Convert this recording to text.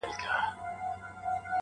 وربــاندي نــه وركوم ځــان مــلــگــرو~